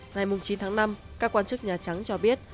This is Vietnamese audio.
ngày chín tháng năm các quan chức nhà trắng cho biết